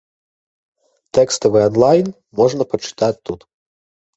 Тэкставы анлайн можна пачытаць тут.